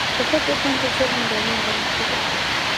په ښځو باندې ظلم روان ګڼل کېده.